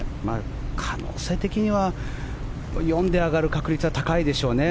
可能性的には４位で上がる確率は高いでしょうね。